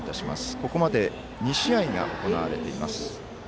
ここまで２試合が行われています。